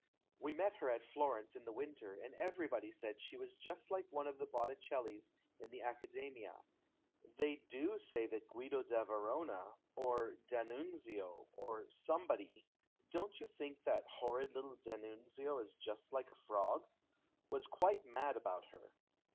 We met her at Florence in the winter, and everybody said she was just like one of the Botticellis in the Accadcmia. They do say that Guide da Verona — or D'Annunzio, or somebody (don't you think that horrid little 8G COTERIE CRITICISM D'Annunzio is just like a frog ?)— was quite mad about her.